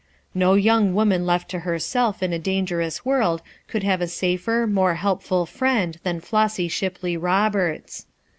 No young woman left to herself in a dangerous world could have a safer, more helpful friend than Flossy Shipley Roberts.